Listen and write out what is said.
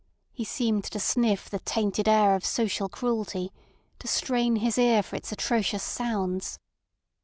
He seemed to sniff the tainted air of social cruelty, to strain his ear for its atrocious sounds.